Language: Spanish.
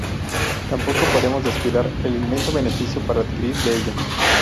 Tampoco podemos descuidar el inmenso beneficio para adquirir de ella.